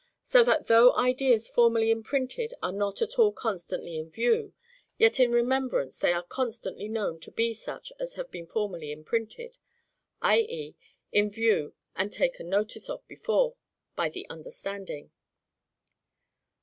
So that though ideas formerly imprinted are not all constantly in view, yet in remembrance they are constantly known to be such as have been formerly imprinted; i.e. in view, and taken notice of before, by the understanding.